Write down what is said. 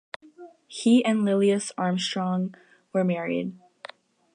He and Lilias Armstrong were married.